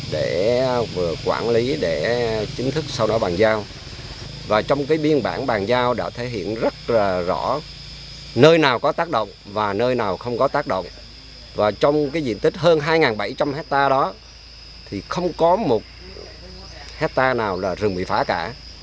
để vừa quản lý để chính thức sau đó bàn giao và trong cái biên bản bàn giao đã thể hiện rất là rõ nơi nào có tác động và nơi nào không có tác động và trong cái diện tích hơn hai bảy trăm linh hectare đó thì không có một hectare nào là rừng bị phá cả